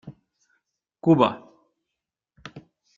Cuba.